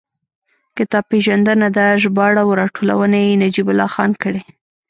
کتاب پېژندنه ده، ژباړه او راټولونه یې نجیب الله خان کړې.